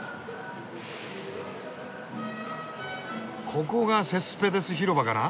ここがセスペデス広場かな？